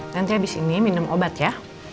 nanti habis ini minum obat ya